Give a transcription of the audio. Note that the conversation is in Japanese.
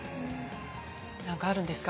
何かあるんですか？